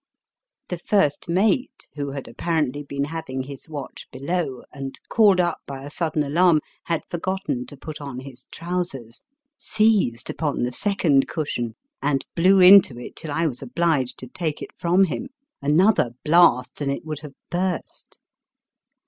The first mate (who had apparently been having his watch below, and, called up by a sudden alarm, had forgotten to put on his trousers) seized upon the second cushion and blew into it till I was obliged to take it from him. Another blast and it would have burst.